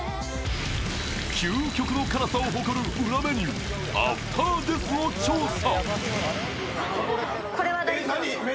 究極の辛さを誇る裏メニューアフターＤＥＡＴＨを調査。